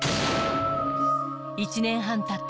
１年半たった